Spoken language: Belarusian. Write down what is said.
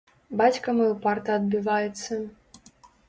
Бацька мой упарта адбіваецца.